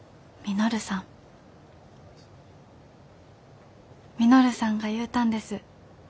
稔さんが言うたんです。